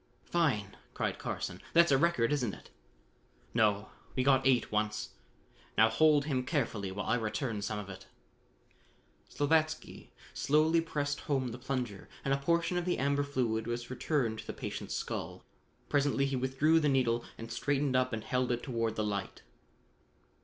"Fine!" cried Carson. "That's a record, isn't it?" "No, we got eight once. Now hold him carefully while I return some of it." Slavatsky slowly pressed home the plunger and a portion of the amber fluid was returned to the patient's skull. Presently he withdrew the needle and straightened up and held it toward the light.